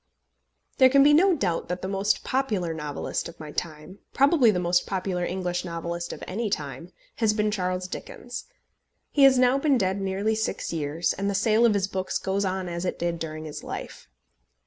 There can be no doubt that the most popular novelist of my time probably the most popular English novelist of any time has been Charles Dickens. He has now been dead nearly six years, and the sale of his books goes on as it did during his life.